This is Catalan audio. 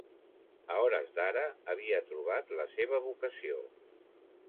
A hores d'ara, havia trobat la seva vocació.